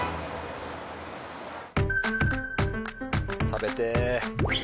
食べてえ。